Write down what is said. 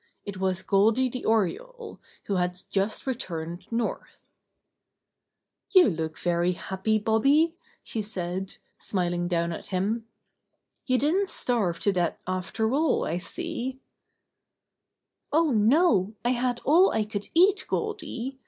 It was Goldy the Oriole, who had just re turned north. 9 10 Bobby Gray Squirrel's Adventures "You look very happy, Bobby," she said, smiling down at him. "You didn't starve to death after all, I see/' "Oh, no, I had all I could eat, Goldy.